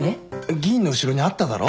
議員の後ろにあっただろ？